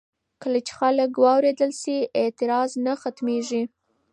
کله چې خلک واورېدل شي، اعتراض نه سختېږي.